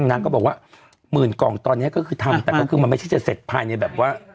แต่ก็คือมันไม่ใช่จะเสร็จภายในแบบว่า